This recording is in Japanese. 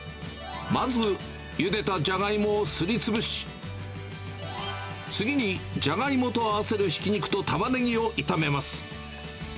まず、ゆでたじゃがいもをすり潰し、次にじゃがいもと合わせるひき肉とたまねぎを炒めます。